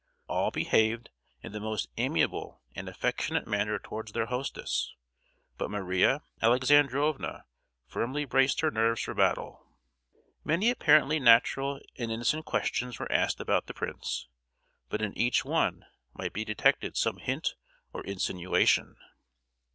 All behaved in the most amiable and affectionate manner towards their hostess; but Maria Alexandrovna firmly braced her nerves for battle. Many apparently natural and innocent questions were asked about the prince; but in each one might be detected some hint or insinuation.